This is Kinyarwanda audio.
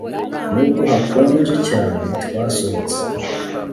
Nubwo hakonje cyane twasohotse